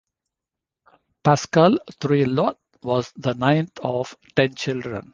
Pascal-Trouillot was the ninth of ten children.